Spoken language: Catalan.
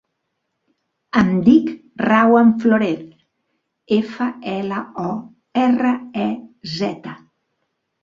Em dic Rawan Florez: efa, ela, o, erra, e, zeta.